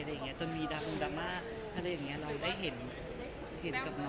เขาก็เอาจริงกับกัมวลเหมือนกันนะเรื่องการผอม